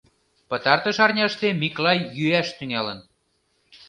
Пытартыш арняште Миклай йӱаш тӱҥалын.